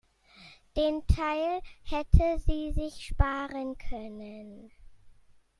Den Teil hätte sie sich sparen können.